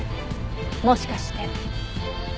もしかして。